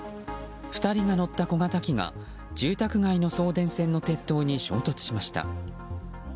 ２人が乗った小型機が住宅街の送電線の鉄塔に衝突しました。